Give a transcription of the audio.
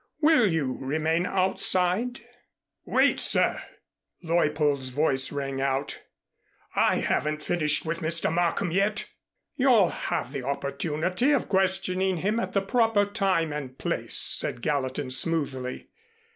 Will you remain outside?" "Wait, sir!" Leuppold's voice rang out. "I haven't finished with Mr. Markham yet." "You'll have the opportunity of questioning him at the proper time and place," said Gallatin smoothly.